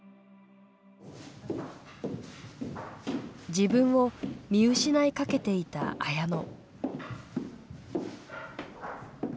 自分を見失いかけていた綾乃。